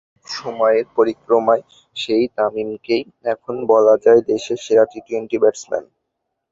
সময়ের পরিক্রমায় সেই তামিমকেই এখন বলা যায় দেশের সেরা টি-টোয়েন্টি ব্যাটসম্যান।